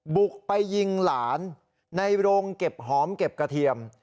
บุกไปยิงหลานในโรงเก็บหอมเก็บกระเทียม